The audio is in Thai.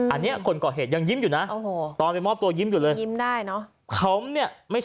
อันนี้คนก่อเหตุยิ้มนะ